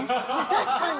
確かに！